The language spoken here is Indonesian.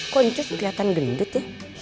koncus kelihatan gerindut ya